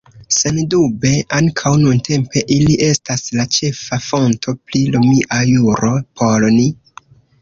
Sendube ankaŭ nuntempe ili estas la ĉefa fonto pri romia juro por ni.